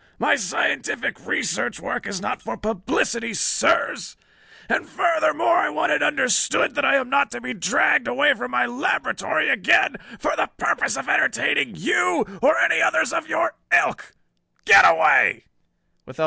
My scientific research work is not for publicity, sirs; and futhermore I want it understood that I am not to be dragged from my laboratory again for the purpose of entertaining you or any others of your ilk. Get away!"